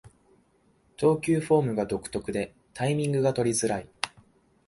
投球フォームが独特でタイミングが取りづらい